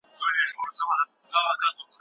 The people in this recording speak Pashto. زه هره ورځ سبقونه تکراروم.